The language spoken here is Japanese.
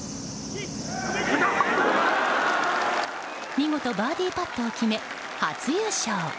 見事、バーディーパットを決め初優勝。